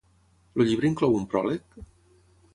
El llibre inclou un pròleg?